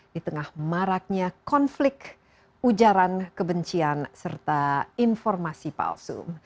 di tengah maraknya konflik ujaran kebencian serta informasi palsu